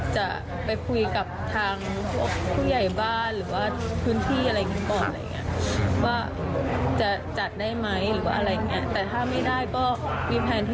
จะไปคุยกับทางผู้ใหญ่บ้าน